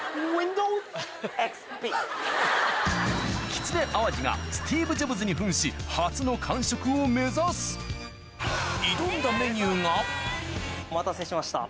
きつね・淡路がスティーブ・ジョブズに扮し初の完食を目指す挑んだメニューがお待たせしました。